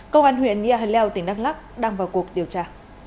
công an huyện yà hờ leo tỉnh đắk lắk đang vào cuộc điều tra